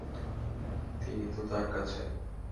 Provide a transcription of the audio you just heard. তিনি তো তার কাছে।